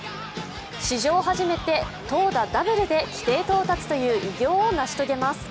史上初めて投打ダブルで規定到達という偉業を成し遂げます。